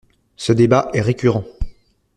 Ce débat est récurrent.